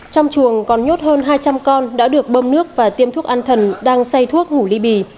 trong chuồng còn nhốt hơn hai trăm linh con đã được bơm nước và tiêm thuốc an thần đang say thuốc ngủ ly bì